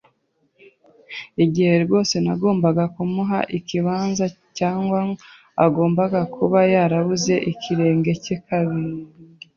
igihe, rwose, nagombaga kumuha ikiganza, cyangwa agomba kuba yarabuze ikirenge cye kandi